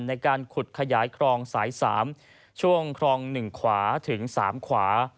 ในการขุดขยายคลองสาย๓ช่วงคลอง๑ขวาถึง๓ขวา